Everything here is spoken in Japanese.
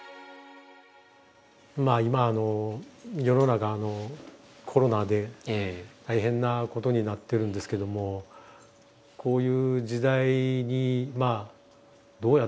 まあ今世の中コロナで大変なことになってるんですけどもこういう時代にどうやって生きていくのかっていう。